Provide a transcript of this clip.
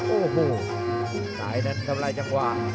โอ้โหซ้ายนั้นทำลายจังหวะ